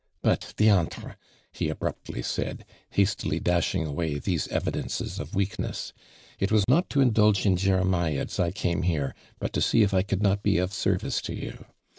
•' But, diantrer he abruptly said, hastily dasliing away these evidences of weakness, " it was not to indulge in jeremiades I ciime here but to see if 1 could not be of service to you.